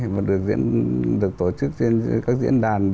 mà được tổ chức trên các diễn đàn